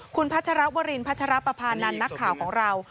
คุณพัชรวรินพัชรปภานันทร์นักข่าวของเรา